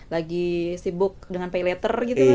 lagi sibuk dengan pay letter gitu